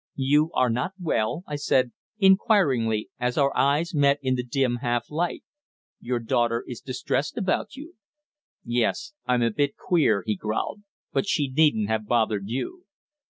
"You are not well?" I said, inquiringly, as our eyes met in the dim half light. "Your daughter is distressed about you." "Yes, I'm a bit queer," he growled. "But she needn't have bothered you."